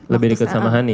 lebih dekat sama hani